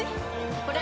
これ！